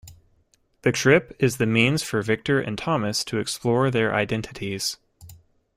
The trip is the means for Victor and Thomas to explore their identities.